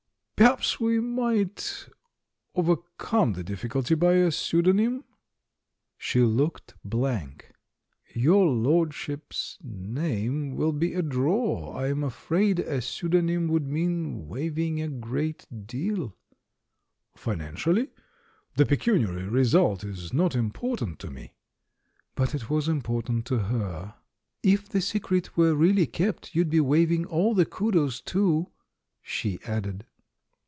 ... Perhaps we might over come the difficulty by a pseudonym?" She looked blank. "Your lordship's name wiU 350 THE MAN WHO UNDERSTOOD WOMEN be a draw; I'm afraid a pseudonym would mean waiving a great deal." "Financially? The pecuniary result is not im portant to me." But it was important to her. "If the secret were really kept, you'd be waiving all the kudos too," she added.